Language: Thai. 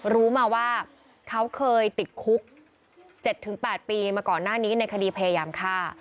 รู้มาว่าเขาเคยติดคุก๗๘ปีมาก่อนหน้านี้ในคดีพยายามฆ่า